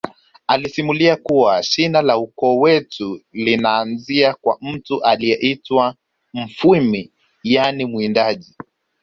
alisimulia kuwa shina la ukoo wetu linaanzia kwa mtu aliyeitwa mufwimi yaani mwindaji